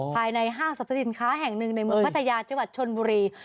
ภายในห้างสรรพสินค้าแห่งหนึ่งในเมืองพัทยาจังหวัดชนบุรี